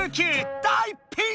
大ピンチ！